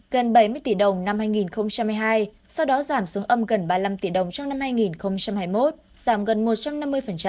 gần bảy mươi tỷ đồng năm hai nghìn hai mươi hai sau đó giảm xuống âm gần ba mươi năm tỷ đồng trong năm hai nghìn hai mươi một giảm gần một trăm năm mươi